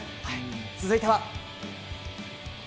続いては。